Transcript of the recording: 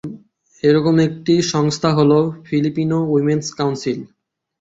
এরকম একটি সংস্থা হল ফিলিপিনো উইমেনস কাউন্সিল।